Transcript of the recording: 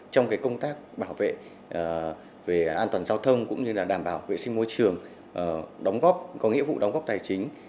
trong công tác bảo vệ về an toàn giao thông cũng như đảm bảo vệ sinh môi trường có nghĩa vụ đóng góp tài chính